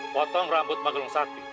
potong rambut magelung sakti